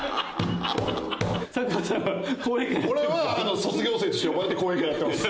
俺は卒業生として呼ばれて講演会やってます。